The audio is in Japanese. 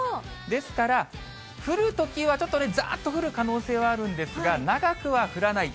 ですから、降るときは、ちょっとざーっと降る可能性はあるんですが、長くは降らない。